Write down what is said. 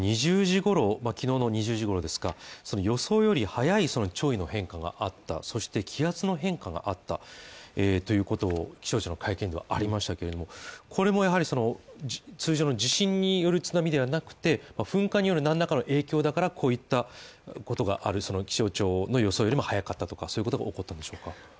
昨日の２０時ごろ、予想より早い潮位の変化があったそして、気圧の変化があったということが気象庁の会見でありましたけどこれも通常の地震による津波ではなくて噴火による何らかの影響だから、こういったことがある気象庁の予想よりも早かったとかそういうことが起こったんでしょうか。